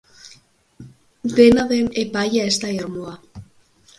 Dena den, epaia ez da irmoa.